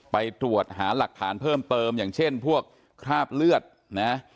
ไปตรวจหาหลักฐานเพิ่มเติมอย่างเช่นพวกคราบเลือดนะ